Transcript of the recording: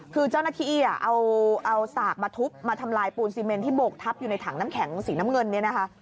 คือเจ้าหน้าที่เอาสากมาทุบมาทำลายปูนซีเมนที่โบกทับอยู่ในถังน้ำแข็งสีน้ำเงินเนี่ยนะคะ